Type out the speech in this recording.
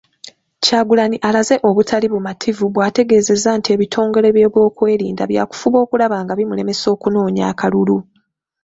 Kyagulanyi alaze obutali bumativu bw'ategeezzza nti ebitongole by'ebyokwerinda byakufuba okulaba nga bimulemesa okunoonya akalulu.